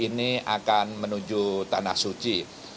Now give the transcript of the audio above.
ini akan menuju tanah suci